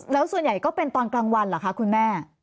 แล้วส่วนใหญ่ก็เป็นตอนกลางวันเหรอคะคุณแม่